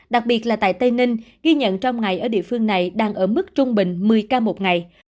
đặc biệt là tại tây ninh ghi nhận trong ngày ở địa phương này đang ở mức trung bình một mươi ca một ngày